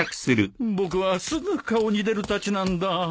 僕はすぐ顔に出るたちなんだ。